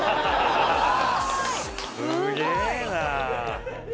すげえな！